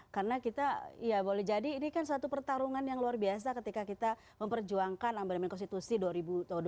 karena kita ya boleh jadi ini kan satu pertarungan yang luar biasa ketika kita memperjuangkan amban amban konstitusi tahun dua ribu dua ribu dua